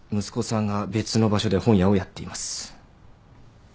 息子さんが別の場所で本屋をやっています。